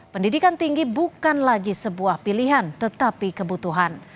pendidikan tinggi bukan lagi sebuah pilihan tetapi kebutuhan